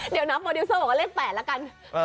เดี๋ยวนับโปรดิวเซอร์บอกว่าเลข๘ละกัน